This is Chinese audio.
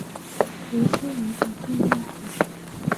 于西人口变化图示